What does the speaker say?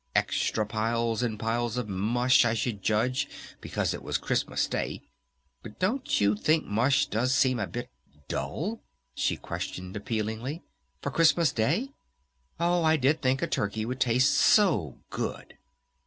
Extra piles and piles of mush I should judge because it was Christmas Day!... But don't you think mush does seem a bit dull?" she questioned appealingly. "For Christmas Day? Oh, I did think a turkey would taste so good!"